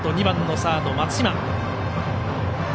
２番のサード、松嶋。